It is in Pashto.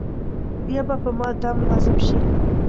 یا به په ما دم لازم شي.